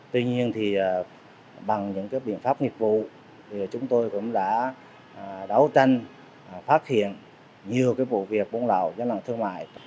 tuy nhiên bằng những biện pháp nghiệp vụ chúng tôi cũng đã đấu tranh phát hiện nhiều vụ việc buôn lộ dân lặng thương mại